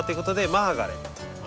マーガレット。